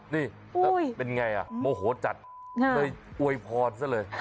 นี่เป็นไงอ่ะโมโหจัดอวยพรซะเลย